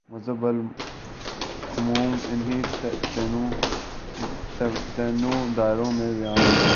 مذہب بالعموم انہی تینوں دائروں میں بیان ہوتا ہے۔